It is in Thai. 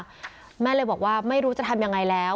ก็ช้ำใจมากแม่เลยบอกว่าไม่รู้จะทำยังไงแล้ว